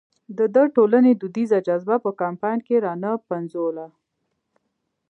ده د ټولنې دودیزه جذبه په کمپاین کې را نه پنځوله.